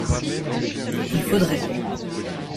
Il faudrait.